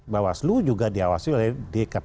bawaslu juga diawasi oleh dkp